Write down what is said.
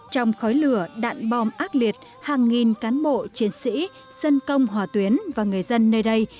trong khói lửa đạn bom ác liệt hàng nghìn cán bộ chiến sĩ dân công hòa tuyến và người dân nơi đây